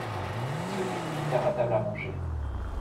Il se précipite vers la table à manger.